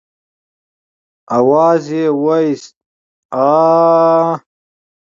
آواز يې واېست عاعاعا.